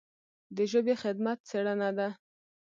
د ژبې خدمت څېړنه ده.